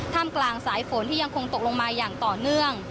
กลางสายฝนที่ยังคงตกลงมาอย่างต่อเนื่อง